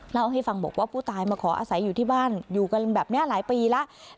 เล่าให้ฟังบอกว่าผู้ตายมาขออาศัยอยู่ที่บ้านอยู่กันแบบนี้หลายปีแล้ว